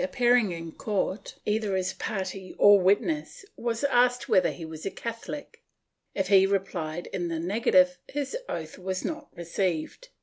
468 PROTESTANTISM [Book VIII appearing in court, either as party or witness, was asked whether he was a Catholic; if he repUed in the negative, his oath was not received.